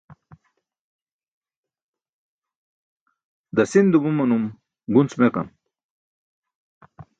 Dasin dumumanum gunc meġam.